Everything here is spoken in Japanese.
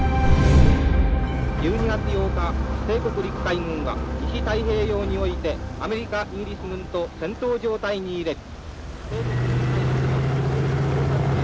「１２月８日帝国陸海軍は西太平洋においてアメリカイギリス軍と戦闘状態に入れり」。